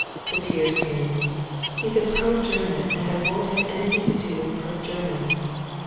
The tears came. "He's a pro German and I won't have anything to do with pro Germans."